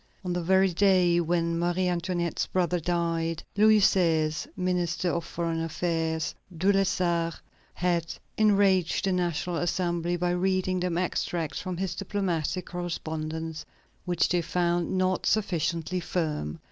On the very day when Marie Antoinette's brother died, Louis XVI.'s Minister of Foreign Affairs, De Lessart, had enraged the National Assembly by reading them extracts from his diplomatic correspondence, which they found not sufficiently firm.